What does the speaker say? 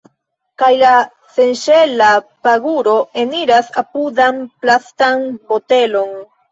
Kaj la senŝela paguro eniras apudan plastan botelon.